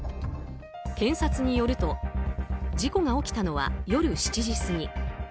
検察によると、事故が起きたのは夜７時過ぎ。